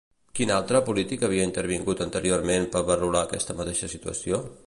Quin altre polític havia intervingut anteriorment per valorar aquesta mateixa situació?